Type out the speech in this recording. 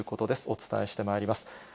お伝えしてまいります。